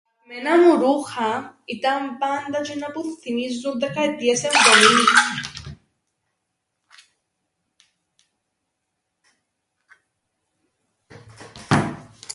Τ' αγαπημένα μου ρούχα ήταν πάντα τζ̆είνα που θθυμίζουν δεκαετίες '70.